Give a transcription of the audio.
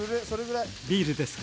ビールですか。